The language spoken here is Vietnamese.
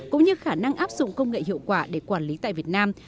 cũng như khả năng áp dụng công nghệ hiệu quả để quản lý tại việt nam